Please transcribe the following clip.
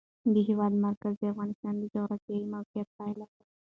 د هېواد مرکز د افغانستان د جغرافیایي موقیعت پایله ده.